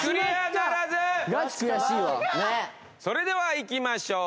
それではいきましょう。